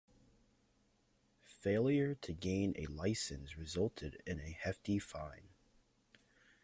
Failure to gain a licence resulted in a hefty fine.